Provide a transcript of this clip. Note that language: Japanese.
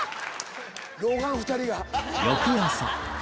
老眼２人が。